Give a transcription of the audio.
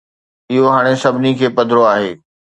اهو هاڻي سڀني کي پڌرو آهي.